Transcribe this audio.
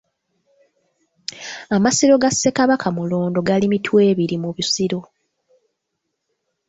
Amasiro ga Ssekabaka Mulondo gali Mitwebiri mu Busiro.